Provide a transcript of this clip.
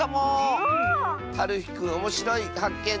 はるひくんおもしろいはっけん